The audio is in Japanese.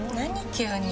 何？